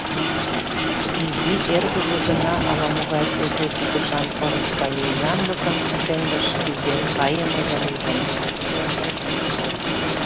Изи эргыже гына ала-могай кужу кутышан пырыс гае янлыкын пушеҥгыш кӱзен кайымыжым ужын.